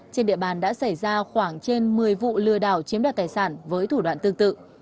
trên địa bàn đã xảy ra khoảng trên một mươi vụ lừa đảo chiếm đoạt tài sản với thủ đoạn tương tự